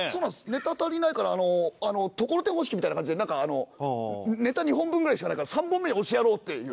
ネタ足りないからところてん方式みたいな感じでなんかあのネタ２本分ぐらいしかないから３本目に押しやろうっていう。